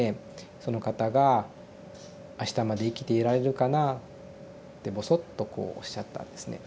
その方が「あしたまで生きていられるかな」ってぼそっとこうおっしゃったんですね。